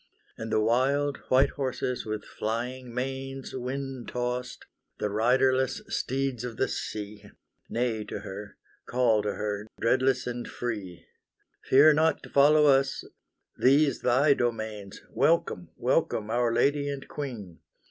And the wild, white horses with flying manes Wind tost, the riderless steeds of the sea. Neigh to her, call to her, dreadless and free, "Fear not to follow us; these thy domains; Welcome, welcome, our Lady and Queen!